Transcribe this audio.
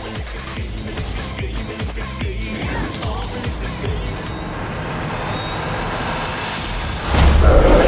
มันจะเป็นฝาก